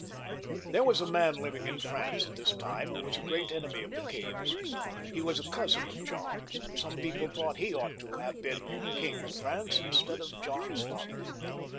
There was a man living in Prance at this time, who was a great enemy of the king's. He was a cousin of John's, and some people thought he ought to have been King of France instead of John's father.